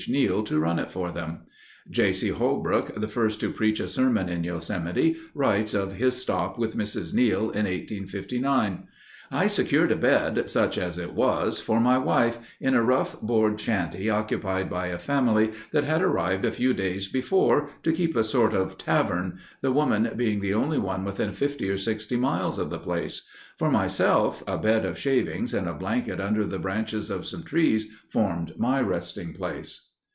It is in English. Neal to run it for them. J. C. Holbrook, the first to preach a sermon in Yosemite, writes of his stop with Mrs. Neal in 1859: "I secured a bed, such as it was, for my wife, in a rough board shanty occupied by a family that had arrived a few days before to keep a sort of tavern, the woman being the only one within fifty or sixty miles of the place. For myself, a bed of shavings and a blanket under the branches of some trees formed my resting place."